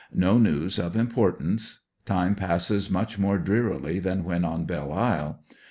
JMo news of importance. Time passes much more drearii}' than when on Belle Isle.